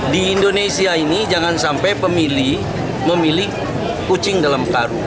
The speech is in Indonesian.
di indonesia ini jangan sampai pemilih memilih kucing dalam karung